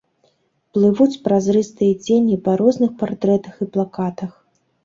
Плывуць празрыстыя цені па розных партрэтах і плакатах.